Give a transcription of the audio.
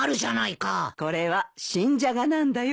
これは新ジャガなんだよ。